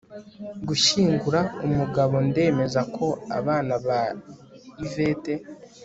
gushyingura. umugabo, ndemeza ko abana ba yvette